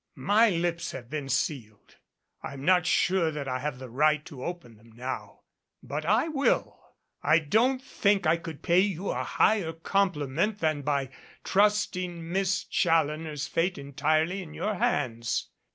"My lips have been sealed. I'm not sure that I have the right to open them now. But I will. I don't think I could pay you a higher compliment than by trusting Miss Challoner's fate entirely into your hands."